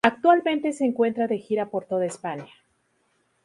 Actualmente se encuentra de gira por toda España.